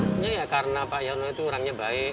sebenarnya ya karena pak yono itu orangnya baik